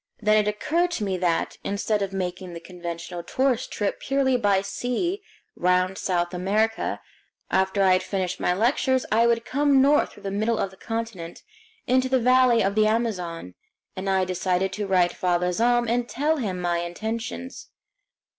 Then it occurred to me that, instead of making the conventional tourist trip purely by sea round South America, after I had finished my lectures I would come north through the middle of the continent into the valley of the Amazon; and I decided to write Father Zahm and tell him my intentions.